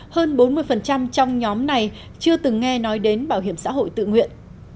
hơn bốn mươi trong nhóm này chưa từng nghe nói đến bảo hiểm xã hội tự nguyện